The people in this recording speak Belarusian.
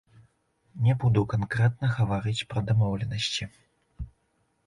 Не буду канкрэтна гаварыць пра дамоўленасці.